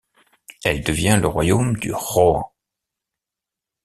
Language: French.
Elle devient le royaume du Rohan.